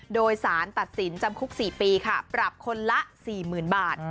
โดยสารตัดสินจำคุก๔ปีค่ะปรับคนละ๔๐๐๐บาท